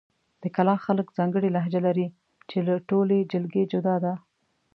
د کلاخ خلک ځانګړې لهجه لري، چې له ټولې جلګې جدا ده.